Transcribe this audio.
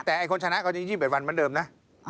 แต่ไอ้คนชนะก็ยัง๒๑วันเหมือนเดิมนะ